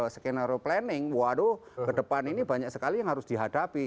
skenario planning waduh ke depan ini banyak sekali yang harus dihadapi